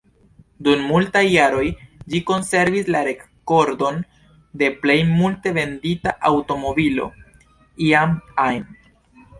Dum multaj jaroj, ĝi konservis la rekordon de plej multe vendita aŭtomobilo iam ajn.